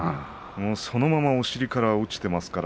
そのままお尻から落ちていましたから。